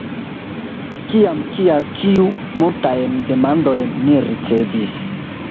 “Kiam?” “Kial?” “Kiu?” Multajn demandojn ni ricevis.